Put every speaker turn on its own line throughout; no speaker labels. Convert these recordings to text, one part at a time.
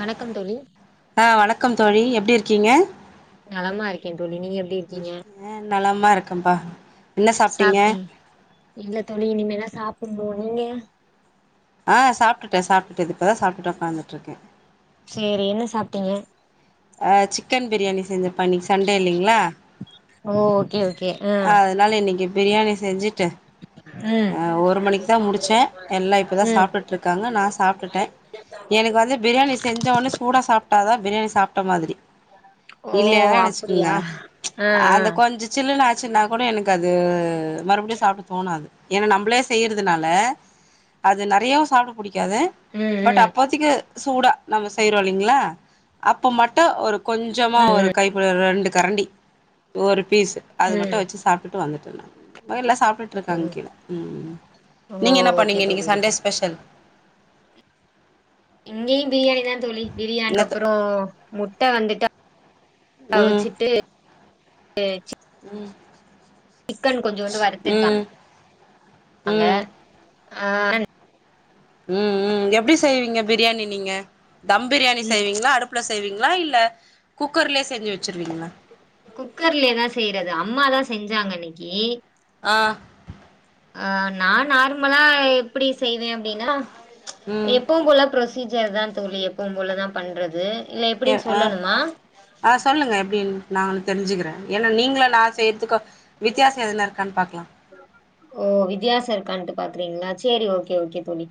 வணக்கம் தோழி
ஆஹ் வணக்கம் தோழி எப்டி இருக்கீங்க
நலமா இருக்கேன் தோழி நீங்க எப்டி இருக்கீங்க
ஆ நலமா இருக்கேன்ப்பா என்ன சாப்ட்டீங்க
சாப்டீ இல்ல தோழி இனிமே தா சாப் [unintelligible] லோனிங்க
ஆஹ் சாப்டுட்டே சாப்டுட்டு இப்பதான் சாப்டு உக்காந்துட்டு இருக்கேன்
செரி என்ன சாப்டீங்க
ஆ சிக்கன் பிரியாணி செஞ்ச பண்ணி சண்டே இல்லைங்களா
ஓ ஓகே ஓகே ஆ
அதனால இன்னைக்கு பிரியாணி செஞ்சுட்டேன்
ம்
ஆ ஒரு மணிக்கு தான் முடிச்சேன் எல்லாம் இப்போதான்
ம்
சாப்டுட்டு இருக்காங்க நான் சாப்டுட்டேன் எனக்கு வந்து பிரியாணி செஞ்ச உனே சூடாக சாப்ப டாதான் பிராணி சாப்ட மாதிரி
ஓ
இல்லையன்னா வச்சுக்கோங்க
அப்டியா ஆ ஆ
அத கொஞ்ச சில்லுனு ஆச்சின்னா கூட எனக்கு அது மறுபடியும் சாப்ட தோணாது ஏனா நம்மளே செய்யறதுனால அது நிறையாஉ சாப்பிட பிடிக்க காது
ம்
பட்
ம்
அப்போத்தைக்கு சூடா நம்ம செய்யறோம் இல்லைங்களா அப்போ மட்டும் ஒரு கொஞ்சமா
ம்
ஒரு
ம்
கைப்பி ரெண்டு கரண்டி ஒரு பீஸ் அது
ம்
மட்டும் வச்சு சாப்டு வந்துட்டு நா எல்லா சாப் ருக்காங்க
ம்
கீழ ம்ஹம்
ஓ
நீங்கள் என்ன
ஓகே
பண்ணீங்க இன்னைக்கக்கு
தோழி
சண்டே
ஓகே
ஸ்பெஷல்
எங்கேங் பிரியாணி தான் தோழி பிரியாணிக்கு
என்னத்த
அப்புறம் மு ட வந்துட்டு
ம்
அவிச்சிட்டு அ சி சிக்கன் கொஞ்ஜூண்டு
ம்
வத்திருக்காங்கங்க
ம்
ஆஹ்
உம் உம் எப்டி செய்வீங்க பிரியாணி நீங்க தம் பிரியாணி செய்வீங்களா அடுப் புல செய்வீங்களா இல்ல குக்கர்லயே செஞ்சு வச்சுருவீங்ளா
குக்கர்லயே தான் செய்யறது அம்மாதான் செஞ்சாங்க இன் க்கி
ஆ
அஹ் நான் நார்மலா எப்டி செய்வேன் அப்டின்னா
ம்
எப்பவும் போல ஃப்ரோ டீச்சர் தா தோழி எப்பவு போல தா பண்ணறது
எ ஆஹ் ஆஹ் சொல்லுங்க எப்டின்னு நானு தெரிஞ்சுக்கிறே ஏன்னா நீங்களா நா செய்யறதுகு வித்தியாசோ எதுன இருக்கான்னு பாக்கலா
ஓ வித்தியாசோ இருக்கான்ட்டு பாக்குறீங்களா செரி ஓகே ஓகே தோழி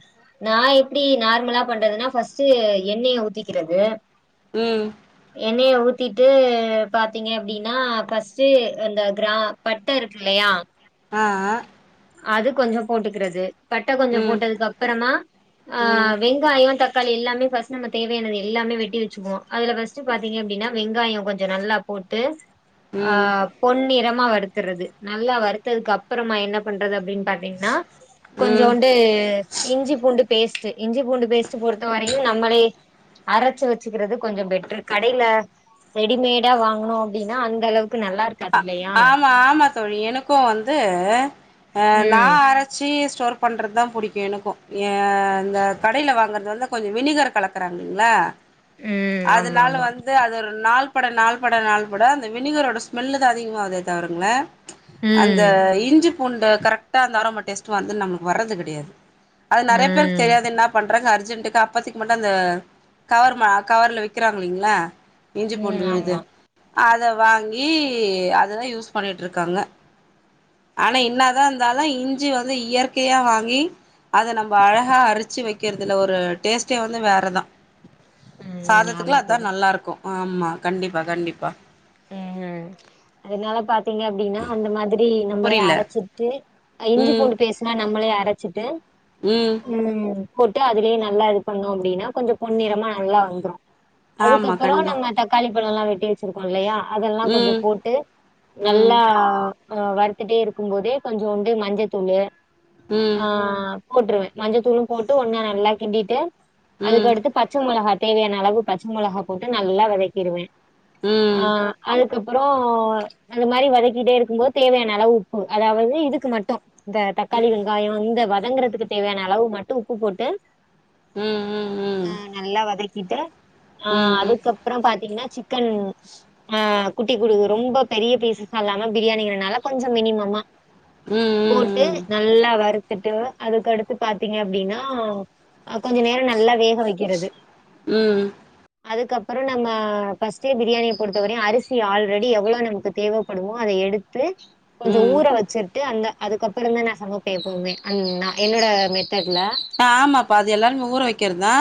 நா எப்டி நார்மலா பண்றதுன்னா ஃபஸ்ட்டு எண்ணெய ஊத்திக்கிறது
ம்
எண்ணைய ஊத் த்திட்டு பாத்தீங்க அப்டின்னா ஃபர்ஸ்ட்டு அந்த கிரா பட்டை இருக்கு இல்லையா
ஆஹ்ஹ
அது கொஞ்சோ போட்டுக்கிறது பட்டை கொஞ்சோ
ம்
போட்டதுக்கு அப்புறமா
ம்
ஆஹ் வெங்காயோ தக் க்காளி எல்லாமே ஃபர்ஸ்ட் நம்ம தேவையானது எல்லாமே வெட்டி வச்சுக்குவோ அதுல ஃபஸ்ட் பாத்தீங்க அப்டிங்கனா வெங்காய கொஞ்ச நல்லா போட்டு
ம்
ஆஹ் பொன்னிறம் மா வறுத்தறது நல்லா வறுத்ததுக்கு அப்புறமா என்ன பண்றது அப்பிடின்னு பாத்தீங்கன்னா
ம்
கொஞ்சோண்டு இஞ்சி பூண்டு பேஸ்ட் இஞ்சி பூண்டு பேஸ்ட்ட் பொறுத்த வரையும் நம்மளே அரைச்சு வச்சுக்கிறது கொஞ்சோ பெட்டரு கடையில ரெடிமேடா வாங்கனோ அப்டின்னா அந்த அளவுக்கு நல்லா இருக்காது
அ
இல்லையா
ஆமா ஆமா தோழி எனக்கு வந்து அஹ்
ம்
நான் அரைச்சி ஸ்டோர் பண்ணுறது தா புடிக்கு எனக்கு ஏ இந்த கடையில் வாங்கறது வந்து கொஞ்ச வினிகர் கலக்கறாங்க இல்லலைங்களா
ம் ஆமா
அதனால
ஆமா
வந்து அது ஒரு நாள் பட நாள்பட நாள்பட அந்த வினிகரோட ஸ்மெல்லு தா அதிகமாகுதே தவிருதங்களே அந்த
ம்
இஞ்சிப் பூண்டு கரெக்டாக அந்த ஆரோமா டேஸ்ட்டு வந்து நமக்கு வரது கெடையாது அது
ம்
நெறைய பேருக்கு தெரியாது என்ன பண்றாங்க அர்ஜ ஜெண்டுக்கு அப்பத்துக்கு மட்டும் அந்த கவர் ம கவர்ல விக்கிறாங்க இல்லைங்களா இஞ்சி
ம்
பூண்டு விழுது
ஆமா
அத வாங் கி அததா யூஸ் பண்ணிட்டுருக்காங்க ஆனா என்னாதா இருந்தாலு இஞ்சி வந்து இயற்கையா வாங்கி அத நம்ம அழகா அரிச்சு வைக்கறிறதுல ஒரு டேஸ்ட்டே வந்து வேறதா
ம்
சாதத்துக்கு
ஆமா
எல்லா அதா
தோழி
நல்லா இருக்கு ஆமாம் கண்டிப்பா கண்டிப்பா
ஹம் அதனால பாத் ங்க அப்டின்னா அந்த மாதிரி நம்பளே
புரில
அரைச்சிட்டு டு அ இஞ்சி
ம்
பூண்டு பேஸ்ட்னா நம்பளே அ ரச்சிட்டு
ம்
ம் போட்டு அதுலேயே நல்லா இது பண்ணோ அப்டின்னா கொஞ்சோ பொன் நிறமா நல்லா வந்துரு
ஆமா
அதுக்கப்பறோ
கண்டி
நம்ம தக்காளி பழோல்லா வெட்டி வெச்சிரு ப்போ இல்லயா அதெல்லா கொஞ்சோ
ம்
போட்டு
ம்
நல்லா ஆ வறுத்துட்டே இருக்கும் போதே கொஞ்சோண்டு மஞ்சத்தூளு
ம்
ஆ போட்டுருவே மஞ்சத்தூளு போட்டு ஒன்னா நல்லா கிண்டிட்டு
ம்
அதுக்கடுத்து பச்ச மொளகா தேவையான அளவு பச்ச மொளகா போட்டு நல்லா வதக்கிருவே
ம்
ஆ
ம்
அது அதுக்கப்றோ அந்த மாரி வதக்கிட்டே இருக்கும்போது தேவையான அளவு உப்பு அதாவது இதுக்கு மட்டு இந்த தக்காளி வெங்காயோ இந்த வ வதங்குறதுக்கு தேவையான அளவு மட்டு உப்பு போட்டு
ம் ம்
ஆ நல்லா வதக் கிட்ட ஆ
ம் ம்
அதுக்கப்றோ பாத்தீங்னா சி க்கன் ஆ குட்டி குடு ரொம்ப பெரிய பீசஸ்ஸா இல்லாம பிரியாணிங்கறனால கொஞ்சோ மினிமமா போட்டு
ம்
நல்லா வறு த்துட்டு அதுக்கடுத்து பாத்தீங்க அப்டின்னா கொஞ்ச நேரம் நல்லா வேக வக்கிறது
ம்
அதுக்கப்பற நம்ம ஃபஸ்ட்டே பிரியாணி பொறுத்தவரையு அரிசி ஆல்ரெடி எவ்ளோ நமக்கு தேவப்படுமோ அத எடுத் து
ம்
கொஞ்சோ
ம்
ஊற வச்சிட்டு அந்த அதுக்கப்பறந்தா நா சமப்பே எப்போவுமே அந் நா என்னோட மெ
ஆ ஆமாப்பா அது எல்லாருமே ஊற வெக்கிறதுதா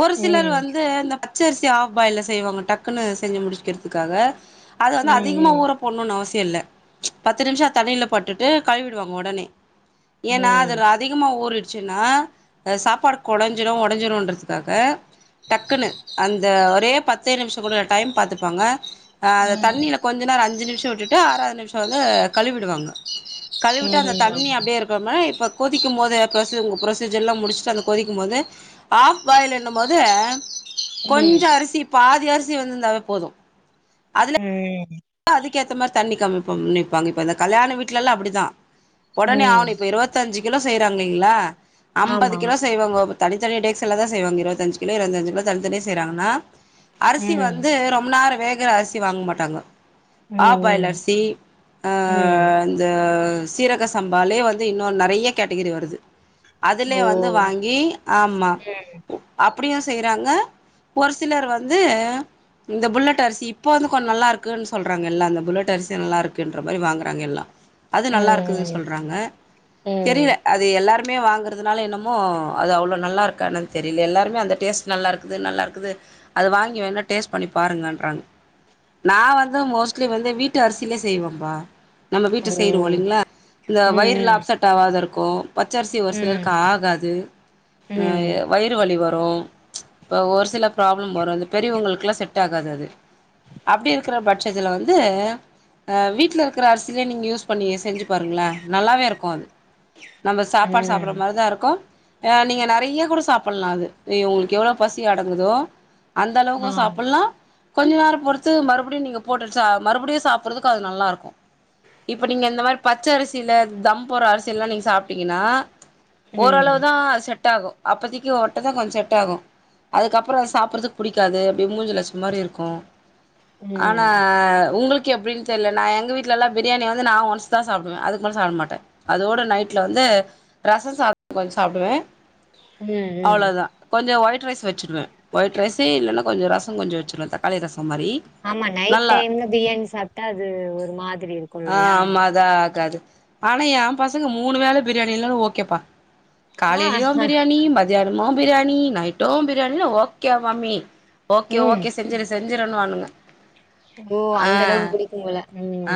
ஒரு சிலர்
ம்
வந்து இந்த பச்ச அரிசி ஆஃப் பாயில்ல செய்வாங்க டக்குன்னு செஞ்சு முடிக்கிறதுக்காக அது வந்து அதிகமா
ம்
ஊற போடுனுனு அவசிய இல்ல பத்து நிமிஷம் தண்ணில போட்டுட்டு கழுவிடுவாங்க உடனே ஏன்னா அது
ம்
ர அதிகமா ஊரிடு ச்சுனா ஆ சாப்பாடு கொழஞ்சிரு ஒடஞ்சிருன்றதுக்காக டக்குனு அந்த ஒரே பத்துே நிம்ஷ கூட டைம் பாத்துப்பாங்க ஆ அத தண்ணில கொஞ்ச நேரொ அஞ்சு நிம் ஷொ விட்டுட்டு ஆறாவது நிமிஷொ வந்து கழுவிடுவாங்க கழுவிட்டு அந்த
ம்
தண்ணி அப்டே [unintelligible] இப்ப கொதிக்குமோதே ப்ரொசிங்கொ ப்ரொசிஜ் ஜெல்லா முடிச்ட்டு அந்த கொதிக்கும் போது ஆஃப் பாயில் என்னம் போது கொஞ்சொ அரிசி பாதி அரிஸ் சி வெந்திந்தாவே போது
ம்ம்
துக்கேத்த மார் தண்ணி கம் பம் னிப்பாங்க இப்ப இந்த கல்யாண வீட்லெல்லா அப்பிடிதா ஒடனே
ம்
அவனு இப்ப இருவத்தஞ்சு கிலோ செய்யறாங்லிங்ளா அம்பது
ஆமா.
கிலோ செய்வாங் ஒவ்வொர் தனி தனி டேக்ஸுல்ல தா செய்வாங் இருவத்தஞ்சு கிலோ இருவத்தஞ்சு கிலோ தனி தனியா செய்றாங்கன்னா அரிசி
ம்
வந்து ரொம் நேரொ வே குற அரிசி வாங் மாட்டாங்கொ ஆப்பாயில்
ம்
அரிசி ஆ
ம் ஆமா ம் ம் ம் ம்
இந்த சீரக சம்பாலே வந்து இன்னொன் நறைய கேட்டகிரி வருது அதுலே
ஓ
வந்து வாங்கி ஆமா உ அப் ப்புடியு செய்றாங்க ஒரு சிலர் வந்து இந்த புல்லட்டரிசி இப்போந்து கொன் நல்லாருக் குன் சொல்றாங்க எல்லா அந்த புல்லட் அரிசி நல்லாருக்குன்ற மாரி வாங்குறாங்க எல்லா அது
ம்
நல்லாருக்குது
ம்
சொல்றாங்க
ம்
தெரில அது எல்லாரு மே வாங்குறதுனால என்னமோ அது அவ்ளோ நல்லாருக்கா என்னன் தெரில எல்லாருமே அந்த டேஸ்ட் நல்லாருக்குது நல்லாருக்குது அத வாங்கி வேன்னா டேஸ்ட் பண்ணி பாருங்கன்றாங் நா வந்து மோஸ்ட்லி வந்து வீட்டு அரிசிலே செய்வம்பா நம்ம வீட்டு
ஓ
செய்ருவோ இல்லிங்ளா இந்த
ம்
வயுருலா
ம்
அப்செட் ஆவாதிரு கோ பச்சரிசி ஒரு
ம்
சிலருக்கு ஆகாது ஆ எ
ம்
வயிறு வலி வர் ரு ஆ ஒரு சில ப்ராப்ளம் வரு அந்த பெரியவுங்களுக்லா செட் ஆகாது அது அப்டி இருக்குற பட்ஜத்துல வந்து அ வீட்ல இருக்குற அரிசிலே நீங்க யூஸ் பண்ணி செஞ்சு பாருங்ளே நல்லாவே இருக்கு அது நம்ம சாப்பாடு சாப்புட்ற
ம்
மாரிதா இருக்கும் அ நீங்க நறையா கூட சாப்பட்லா அது உங்ளுக்கெவ்ளொ பசி அடங்குதோ அந்தளவுக்கு
ஆ
சாப்படலா கொஞ்ச நேர பொறுத் த்து மறுபடியு நீங்க போட்டு ச மறுபடியு சாப்டறதுக்கு அது நல்லாருக்கு இப்ப நீங்க இந்த மாரி பச்ச அரிசியில தம் போடற அரிசியல்லா நீங்க சாப்டிங்கனா ஓரளவு
ம்
தா செ ட்டாகூ அப்போதிக்கி ஒட்ட தா கொஞ்ச் செட்டாகூ அதுக்கப்ற அத சாப்புறதுக் புடிக்காது அப்டி மூஞ்சில அடிச்ச மாரி இருக்கூ
ம்
ஆனா
ம்
உங்குள்க் கி எப்டின் தெர்ல நா எங்க வீட்லலா பிரியாணி வந்து நா ஒன்ஸ் தா சாப்டுவே அதுக்கு மேல சாப்ட மாட்ட அதோட நைட்ல வந்து ரசஸ் சாத் கொஞ் சாப்டுவே
ம்
அவ்வளதா கொஞ்சோ ஒழைப் ட்ரைஸ் வச்சிட்வே வைட் ரைஸு இல்லனா கொஞ்ச ரசோ கொஞ்சோ வச்சிர்வே தக்காளி ரசோ மாரி
ஆமா நைட்
நல்லா
டைம்ல பிரியாணி சாப்ட்டா அது ஒரு மாத்ரி இருக்கூ
ஆ
இல்லையா
ஆமா அதா ஆகாது ஆனா எ பசங்க மூணு வேல பிரியாணி லா ஓகேப்பா
ஆ
காலையிலயூ பிரியாணி மத் மதியானமு பிரியாணி நைட்டு பிரியாணினா ஓகே வாமி ஓகே
ம்
ஓகே செஞ்சிரு செ ஞ்சுரேனுவானுங்க
ஓ அந்தளவுக்கு புடிக்கும் போல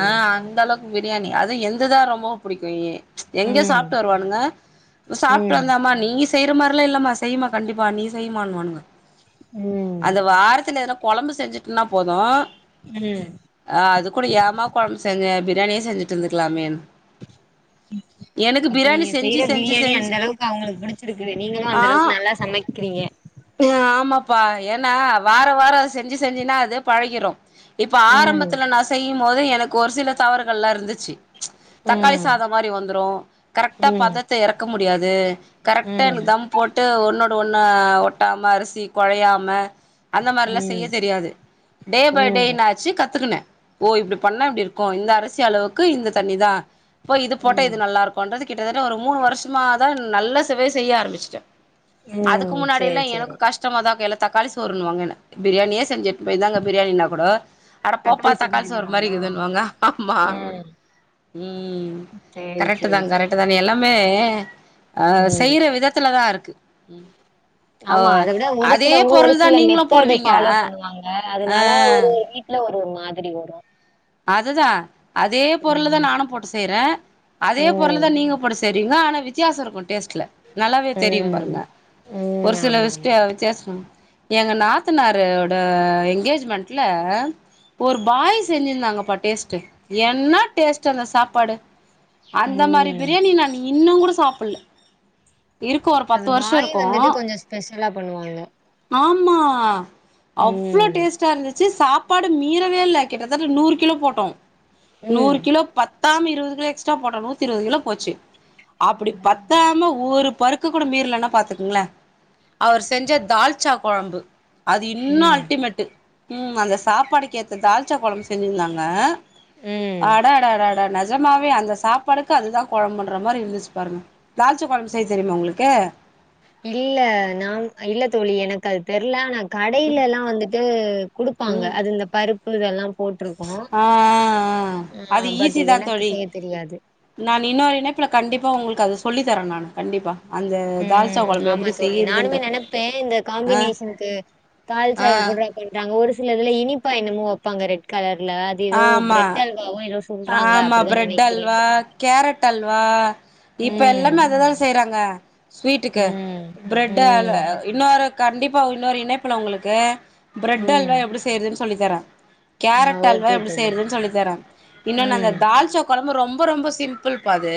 ஆ அந்த அளவுக்கு பிரியாணி அது எந்துதா ரொம்ப புடிக்கூ ஏ எங்க
ம்
சாப்ட்டு வருவானுங்க சாப்ட்டு
ம்
வந்தேமா நீஸ் செய்ற மார்லா இல்லம்மா செய்மா கண்டிப்பா நீ செய்மான்வானுங்க
ம்
அந்த வாரத்துல ஏறொக் கொழம்பு செஞ்சுட்டுனாப் போது
ம்
ஆ அது கூட ஏமா கொழம்பு செஞ்ச இப்டி வேலயே செஞ்சிட்டு இந்துக்கலாமேனு
அப்ப
பிரியாணி
நீங்க
செஞ்சு
செய்யற
செஞ்சு
பிரியாணி அந்த
செஞ்சு
அளவுக்கு அவுங்களுக்கு புடுச்சிருக்குது நீங்களு
ஆ
அந்த அளவுக்கு நல்லா சமைக்கிறீங்க
ப்பா ஏனா வார வாரோ அது செஞ்சு செஞ்சுனா அதே பழகிறு இப்ப
ம்
ஆரம்பத்துல நா செய் நி மொதோ எனக்கு ஒரு சில தவறுகள் எல்லா இருந்துச்சு தக்காளி
ம்
சாதோ மாரி வந்துரு கரெக்டா
ம்
பதத்த எறக்க மு முடியாது கரெக்ட எனக்கு
ம்
தம் போட்டு ஒன்னொ ஒன்னா ஒட்டாம அரிசி குழையாம அந்த மாரிலாம் செய்ய
ம்
தெரியாது டே பய் டே
ம்
என்னாச்சு கத் கத்துக்குனே ஓ இப்படி பண்ணா இப்படி இருக்கும் இந்த அரசி அளவுக்கு இந்த தண்ணி தான் இப்பா இது போட்ட இது
ம்
நல்லா இருக்கும்ன்றது கிட்டதட்ட ஒரு மூணு வருஷமாதான் நல்ல சேவைய செய்ய ஆரம்பிச்சுட்டேன் அதுக்கு
ம் சேரி
முன்னாடில்லாம் எனக்கு
சேரி
கஷ்டமா தான் கெள தக்காளி சோறுணுவாங்க என்ன பிரியாணியே செஞ்சு எ பிரியாணினா கூட அடபோப்பா தக்காளி சோறு மாரி இருக்குதுனு வாங்க அம்மா
ம் சேரி சேரி
கரெட்தான்
சேரி
கரெட்தான் எல்லாமே மே அஹ்
ம்
செய்யற விதத்துலதான் இருக்கு
ஆமா
ஆஹ்
அத விட ஒரு
அதே
சிலவங்க ஒரு
பொருள்
சில
தான் நீங்களும்
மெத்தடு
போடுவீங்க
ஃபாலோ பண்ணுவாங்க அதனால
ஆ
ஒரு ஒரு வீட்ல ஒரு மாதிரி வரும்
அதுதான் அதே பொருள்
ம்
தான் நானும் போட்டு செய்யறேன் அதே பொருள்
ம்
தான் நீங்க போட்டு செய் டினா ஆனா வித்தியாசம் இருக்கு டேஸ்ல நல்லாவே தெரியும்
ம்
பாருங்க
ம்
ஒரு சில
ஆமாமா.
விஷட வித்யாசங் எங்க நாத்தனார் ட ஓட எண்ங்கேஜ்மெண்ட்ல ஒரு பாய் செஞ்சிருந்தாங்க ப்பா டேஸ்ட் என்ன டேஸ்ட் அந்த சாப்பாடு அந்த மாரி
ம்.
பிரியாணி நான் இன்னும் கூட சாப்புட்ல இருக்கு ஒரு
அது
பத்து வருஷோ
பாய்
இருக்கு
வந்துட்டு கொஞ்ச ஸ்பெஷலா பண்ணுவாங்க
ஆமா அவ்ளோ
ம்.
டேஸ்ட்டா இருந்துச்சு சாப்பாடு மீறவேல்ல கிட்டத்தட்ட நூறு கிலோ போட்டோம் நூறு
ம்.
கிலோ பத் தாம இருபது கிலோ எக்ஸ்ட்ரா போட்டோ நூத்தி இருபது கிலோ போச்சு அப்படி பத்தாம ஒரு பரு கூட மீறலன்னா பாத்துக்கங்கள அவர் செஞ்ச தால்ச்சா குழம்பு அது இன்னும்
ம்.
அல்டிமேட்டு் ம் அந்த சாப்பாடுக்கு ஏத்த தால்சா கொழம்பு செஞ்சுர்ந்தாங்க
ம்.
ஆஹ் அடடடட ஜமாவே அந்த சாப்பாடுக்கு அதுதா குழம்புன்ற மாதிரி இருந்துச்சு பாருங்க தால்சா கொழம்பு செய்ய தெரியுமா உங்களுக்கு
இல்ல நான் இல்ல தோழி எனக்கு அது தெர்ல ஆனா கடையிலேல்லா வந்துட்டு குடுப்பாங்க அது இந்த பருப் பு இதெல்லா போட்ருக்கூ.
ஆஹ் ஆ ஆஹ்
ஆ
அது
பட்
ஈஸி தான்
எனக்கு
தோழி
செய்ய தெரியாது.
நான் இன்னொரு இணைப்புல கண்டிப்பா உங்கள்க் அது சொல்லித்தரேன் நானு கண்டிப்பா அந்த தால்ச்சா
உம்
கொழம்பு
ஆமா
எப்டி
தோழி நானுமே
செய்யறதுன்ற
நினைப்பேன் இந்த
ஆ
காம்பினேஷன்க்கு தால்ச்சா
ஆ
எப்புட்றா பண்றாங்க ஒரு சில இதுல இனிப் ப்பா என்னமோ வெப்பாங்க ரெட் கலர்
ஆமா
சொல்றாங்க
ஆமா
அப்டிதா
பிரெட்
நெனைக்கிறே.
அல்வா கேரட் அல்வா இப்ப
ம்.
எல்லாமே அததான் செய்யறாங்க ஸ்வீட்டுக்கு
ம்
பிரெட் அல்
ம்
இன்னொரு கண்டிப்பாவ் இன்னொரு இணைப்புல உங்களுக்கு பிரெட் அல்வா
ம்
எப்டி செய்றதுன் சொல்லி தரே
ஆ
கேரட் அ
ஓகே
எப்டி
தோழி
செய்யறதுன் சொல்லித்தர இன்னொன்னு அந்த
ம்
தால்ச்சா கொழம்பு ரொம்ப ரொம்ப சிம்புள்ப்பாது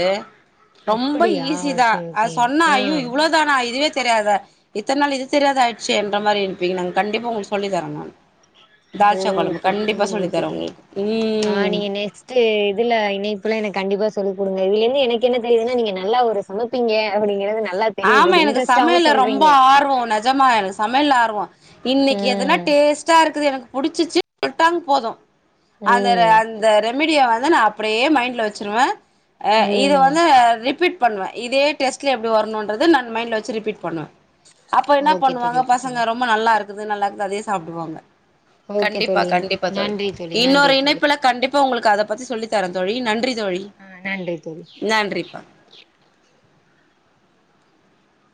ரொம்ப
அப்படியா
ஈஸிதா
ஓகே
அத
ஓகே
சொன்ன
ஆ
ஐயோ இவ்ளோதானா இதே தெரியாதா இத்தன் நாள் இது தெரியாத ஆயிடுச்சேன்ற மாரி இருப்பீங் நாங் கண்டிப்பா உங்கள்க்கு சொல்லி தரோ நான் தால்சா கொழம்பு கண்டிப்பா சொல்லி தரே
கேட்டுடு
உங்களுக்கு
ஆஹ்
ம்
நீங்க நெக்ஸ்ட் இதுல இணைப்புல எனக் கண்டிப்பா சொ சொல் குடுங்க இதுலந்து எனக்கு என்ன தெரியிதுனா நீங்க நல்லா ஒரு சமைப்பிங்க அப்படிங்கறது ந
ஆமா எனக்கு சமையல்ல ரொம்ப ஆர்வொ நெஜமா எனக்கு சமையல்ல ஆர்வொ இன்னைக்கு எதனா
ம்
டேஸ்டா இருக்குது புடிச்சிச்சு சொல்டாங் போதூ அந்தரு
ம்
அந்த ரெப் மீடியாவதா நான் அப்டியே மைண்ட்ல வச்சிருவே அஹ் இது
ம்
வந்து ரிப்பீட் பண்ணுவே இதே டேஸ்ட்ல எப்டி வர்னுன் அது நான் மைண்டல வச்சு ரிபீட் பண்ணுவே அப்ப என்னா
ஓகே
பண்ணுவாங்க
தோழி ஓகே
பசங்க
தோழி
ரொம்ப நல்லாருக் து நல்லா இருக்கதே சாப்ட்டுவாங்க
ஓகே
கண்டிப்பா
தோழி
கண்டிப்பா தோழி
நன்றி நன்றி
இன்னொரு
தோழி
இணைப்புல கண்டிப் ப்போ அதப்பத்தி சொல்லித்தரே தோழி நன்றி நன்றி தோழி
ஆ நன்றி தோழி
நன்றிப்பா